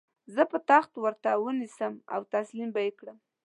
زه به تخت ورته ونیسم او تسلیم به یې کړم.